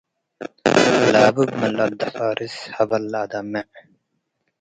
ላብብ ምን ለአደፋርስ፡ ሀበል ለአደሜፅ።